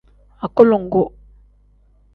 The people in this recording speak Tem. Agulongu.